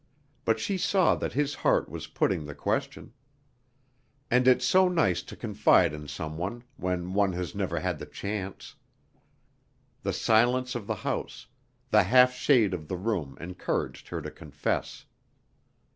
But she saw that his heart was putting the question. And it's so nice to confide in someone when one has never had the chance! The silence of the house, the half shade of the room encouraged her to confess.)